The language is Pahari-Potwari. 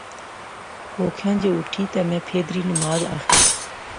اُوخیاں جے اٹھی تہ میں پھیدری نماز آخی